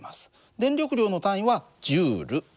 電力量の単位はＪ。